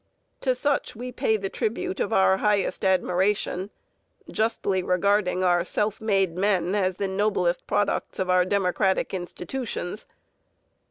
To such we pay the tribute of our highest admiration, justly regarding our self made men as the noblest product of our democratic institutions.